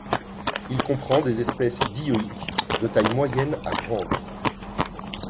Il comprend des espèces dioïques, de taille moyenne à grande.